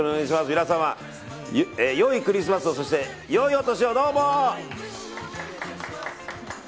皆様、よいクリスマスをそして、よいお年を。